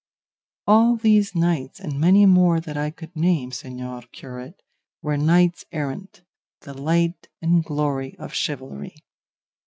All these knights, and many more that I could name, señor curate, were knights errant, the light and glory of chivalry.